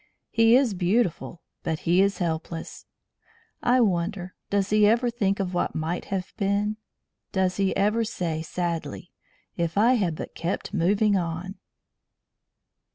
He is beautiful, but he is helpless. I wonder does he ever think of what might have been? Does he ever say, sadly: "If I had but kept moving on!"